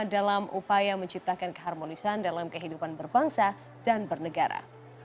dalam upaya menciptakan keharmonisan dalam kehidupan berbangsa dan bernegara